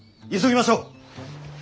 急ぎましょう。